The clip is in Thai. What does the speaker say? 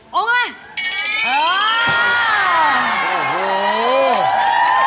อมไหม